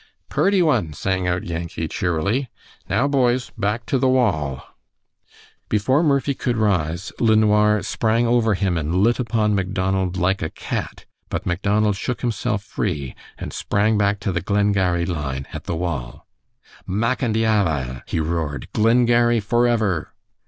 "Purty one," sang out Yankee, cheerily. "Now, boys, back to the wall." Before Murphy could rise, LeNoir sprang over him and lit upon Macdonald like a cat, but Macdonald shook himself free and sprang back to the Glengarry line at the wall. "Mac an' Diabboil," he roared, "Glengarry forever!"